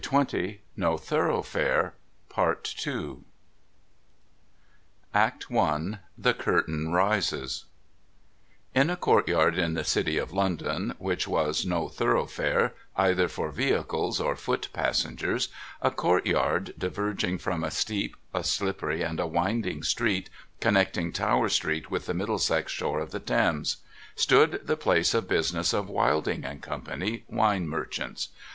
476 NO THOROUGHFARE ACT I THE CURTAIN RISES In a court yard in tlic City of London, which was No Thoroughfare either for vehicles or foot passengers ; a court yard diverging from a steep, a shppery, and a winding street connecting Tower street with the Middlesex shore of the Thames ; stood the place of business of Wilding and Co., Wine Merchants.